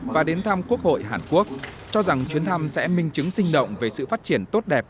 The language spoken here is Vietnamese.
và đến thăm quốc hội hàn quốc cho rằng chuyến thăm sẽ minh chứng sinh động về sự phát triển tốt đẹp